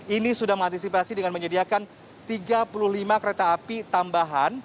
ini sudah mengantisipasi dengan menyediakan tiga puluh lima kereta api tambahan